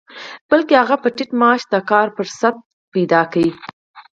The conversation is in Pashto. بلکې هغه په ټيټ معاش د کار فرصت وموند.